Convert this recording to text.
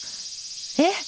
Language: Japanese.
えっ！